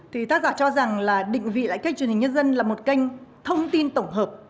thì tác giả cho rằng là định vị lại kênh truyền hình nhân dân là một kênh thông tin tổng hợp